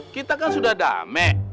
kita kan sudah damai